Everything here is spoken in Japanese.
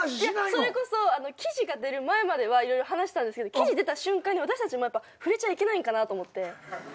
それこそ記事が出る前までは色々話したんですけど記事出た瞬間に私たちも触れちゃいけないんかなと思って。